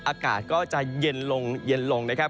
อากาศก็จะเย็นลงนะครับ